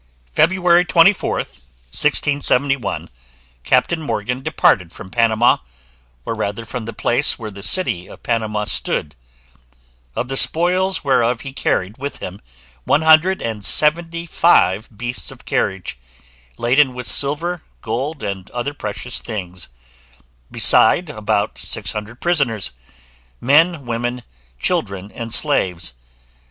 February 24, 1671, Captain Morgan departed from Panama, or rather from the place where the city of Panama stood; of the spoils whereof he carried with him one hundred and seventy five beasts of carriage, laden with silver, gold, and other precious things, beside about six hundred prisoners, men, women, children and slaves.